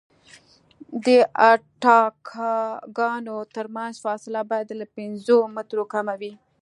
د اتکاګانو ترمنځ فاصله باید له پنځو مترو کمه وي